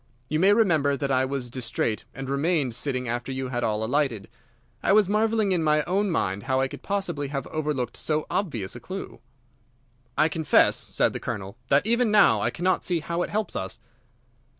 You may remember that I was distrait, and remained sitting after you had all alighted. I was marvelling in my own mind how I could possibly have overlooked so obvious a clue." "I confess," said the Colonel, "that even now I cannot see how it helps us."